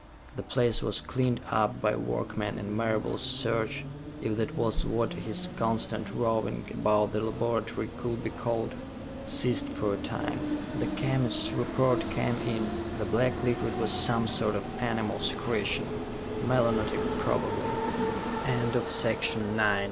The place was cleaned up by workmen, and Marable's search if that was what his constant roving about the laboratory could be called ceased for a time. The chemist's report came in. The black liquid was some sort of animal secretion, melonotic probably.